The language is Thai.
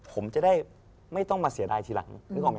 ผมจะได้ไม่ต้องมาเสียดายทีหลัง